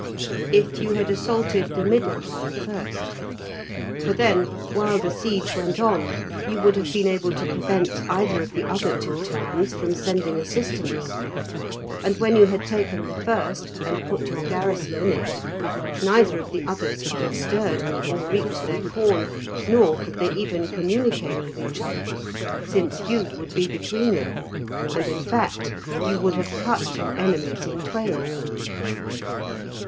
"If you had assaulted the middle one first. For then, while the siege went on, you would have been able to prevent either of the other two towns from sending assistance, and when you had taken the first and put your garrison in it, neither of the others could have stirred, or reaped their corn, nor could they even communicate with each other, since you would be between them; and in fact you would have cut your enemies in twain."